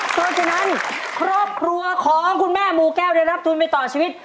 เพราะฉะนั้นครอบครัวของคุณแม่มูแก้วได้รับทุนไปต่อชีวิต